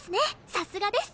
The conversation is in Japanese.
さすがです！